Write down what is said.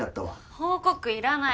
報告いらない。